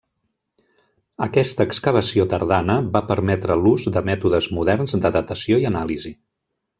Aquesta excavació tardana va permetre l'ús de mètodes moderns de datació i anàlisi.